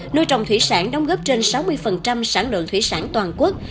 nuôi trồng thủy sản đóng góp trên sáu mươi sản lượng thủy sản toàn quốc